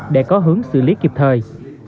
để có hướng xử lý kịp thời